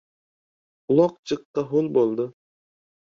Uloq jiqqa ho‘l bo‘ldi.